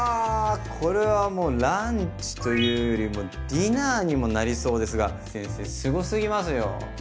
これはもうランチというよりもうディナーにもなりそうですが先生すごすぎますよ。